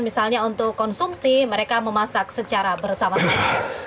misalnya untuk konsumsi mereka memasak secara bersama sama